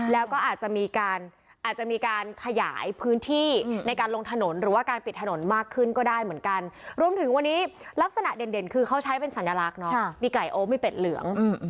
แล้วก็อาจจะมีการอาจจะมีการขยายพื้นที่ในการลงถนนหรือว่าการปิดถนนมากขึ้นก็ได้เหมือนกันรวมถึงวันนี้ลักษณะเด่นคือเขาใช้เป็นสัญลักษณ์มีไก่โอ๊คมีเป็ดเหลือง